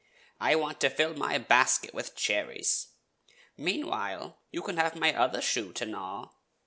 "I want to fill my basket with cherries. Mean while, you can have my other shoe to gnaw."